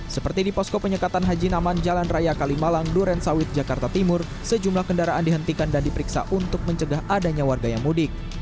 seperti di posko penyekatan haji naman jalan raya kalimalang duren sawit jakarta timur sejumlah kendaraan dihentikan dan diperiksa untuk mencegah adanya warga yang mudik